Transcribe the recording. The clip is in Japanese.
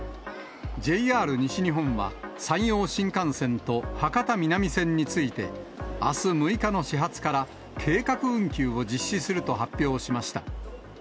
ＪＲ西日本は、山陽新幹線と博多南線について、あす６日の始発から計画運休を実施すると発表しました。